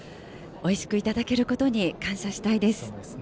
おいしく、いただけることに感謝したいです。